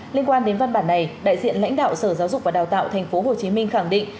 liên quan đến văn bản này đại diện lãnh đạo sở giáo dục và đào tạo tp hcm khẳng định